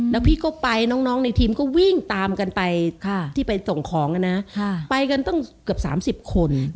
แล้วพี่ก็ไปน้องในทีมก็วิ่งตามกันไปที่ไปส่งของนะไปกันตั้งเกือบ๓๐คน